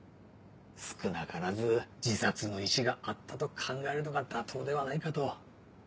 少なからず自殺の意志があったと考えるのが妥当ではないかと。